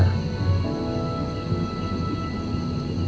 mereka gak saling cinta